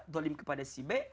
zolim kepada si b